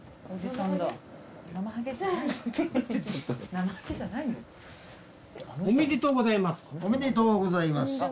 おめでとうございます。